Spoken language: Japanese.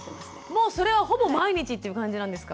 もうそれはほぼ毎日っていう感じなんですか？